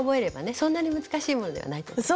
そんなに難しいものではないと思います。